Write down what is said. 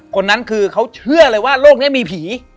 คนนั้นคือเขาเชื่อเลยว่าโลกนี้มีผี